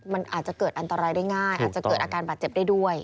มันอาจจะเกิดอันตรายได้ง่ายอาจจะเกิดอาการบาดเจ็บได้ด้วย